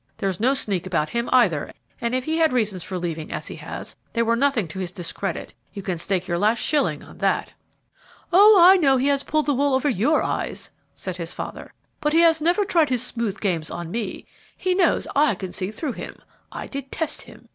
There is no sneak about him, either; and if he had reasons for leaving as he has, they were nothing to his discredit; you can stake your last shilling on that!" "Oh, I know he has pulled the wool over your eyes," said his father; "but he has never tried his smooth games on me; he knows I can see through him. I detest him.